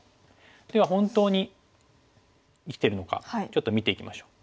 では本当に生きてるのかちょっと見ていきましょう。